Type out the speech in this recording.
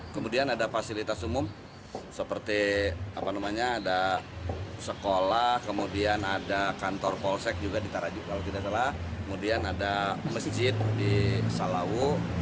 kemudian ada fasilitas umum seperti sekolah kantor polsek mesjid di salawu